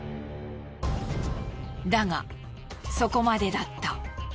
だがそこまでだった。